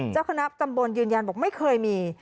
เจ้าคณะตำบลยืนยันบอกไม่เคยมี